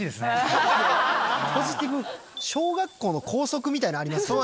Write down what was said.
小学校の校則みたいなのありますよ。